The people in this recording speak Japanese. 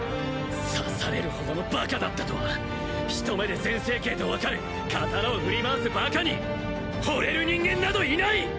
刺されるほどのバカだったとは一目で全整形と分かる刀を振り回すバカにホレる人間などいない！